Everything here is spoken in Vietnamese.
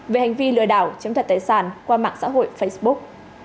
về hành vi lừa đảo chiếm thật tài sản qua mạng xã hội facebook